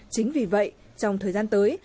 chính vì vậy trong thời gian tới